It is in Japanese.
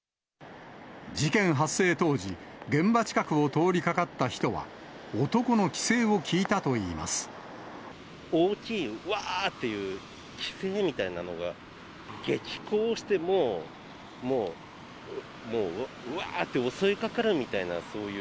事件発生当時、現場近くを通りかかった人は、大きい、わー！という奇声みたいなのが、激高してもう、わーって襲いかかるみたいな、そういう。